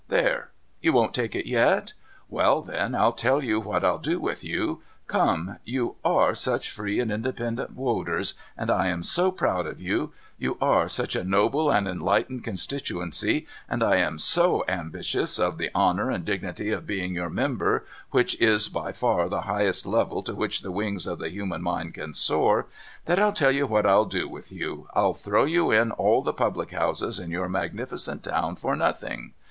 There ! You won't take it yet ! VVell, then, I'll tell you what I'll do with you. Come ! You arc such free and independent woters, and I oju so proud of you, — you are such a noble and enlightened constituency, and I arn so ambitious of the honour and dignity of being your member, which is by far the highest level to which the wings of the human mind can soar, — that I'll tell you what I'll do with you. I'll throw you in all the public houses in your magnificent town for nothing.